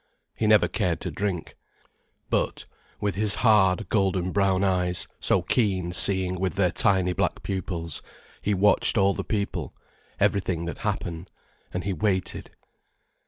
He never cared to drink. But with his hard, golden brown eyes, so keen seeing with their tiny black pupils, he watched all the people, everything that happened, and he waited.